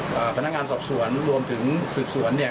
พนักงานสอบสวนรวมถึงสืบสวนเนี่ย